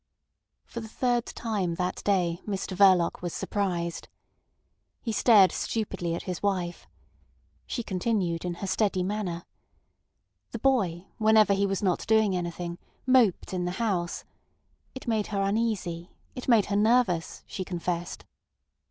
For the third time that day Mr Verloc was surprised. He stared stupidly at his wife. She continued in her steady manner. The boy, whenever he was not doing anything, moped in the house. It made her uneasy; it made her nervous, she confessed.